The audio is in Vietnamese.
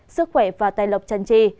sức khỏe và tài lộc chân trì